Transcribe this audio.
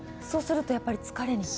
そうするとやっぱり疲れる？